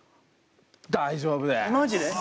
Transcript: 大丈夫です！